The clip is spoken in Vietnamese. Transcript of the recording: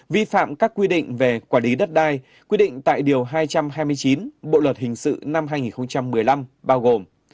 vi phạm các quy định về quản lý đất đai quy định tại điều hai trăm hai mươi chín bộ luật hình sự năm hai nghìn một mươi năm bao gồm